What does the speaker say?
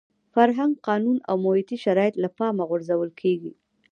فرهنګ، قانون او محیطي شرایط له پامه غورځول کېږي.